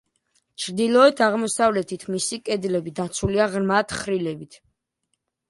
ჩრდილოეთ-აღმოსავლეთით მისი კედლები დაცულია ღრმა თხრილებით.